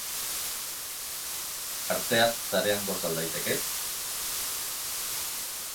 Arteaz sarean goza al daiteke?